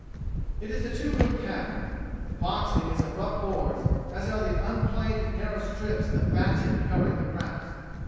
It is a two room cabin. The boxing is of rough boards as are the unplaned narrow strips of batting covering the cracks.